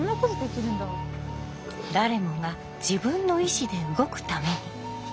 誰もが自分の意思で動くために。